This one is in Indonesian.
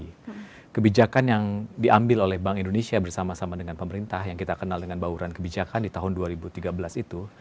jadi kebijakan yang diambil oleh bank indonesia bersama sama dengan pemerintah yang kita kenal dengan bauran kebijakan di tahun dua ribu tiga belas itu